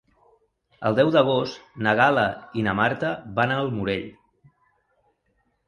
El deu d'agost na Gal·la i na Marta van al Morell.